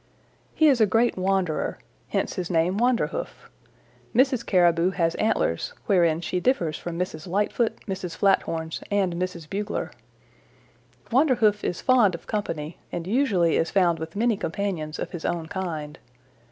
"He is a great wanderer, hence his name Wanderhoof. Mrs. Caribou has antlers, wherein she differs from Mrs. Lightfoot, Mrs. Flathorns and Mrs. Bugler. Wanderhoof is fond of company and usually is found with many companions of his own kind.